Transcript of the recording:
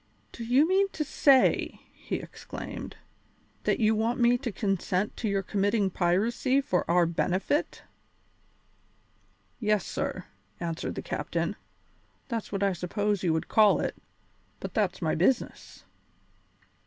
"Do you mean to say," he exclaimed, "that you want me to consent to your committing piracy for our benefit?" "Yes, sir," answered the captain, "that's what I suppose you would call it; but that's my business."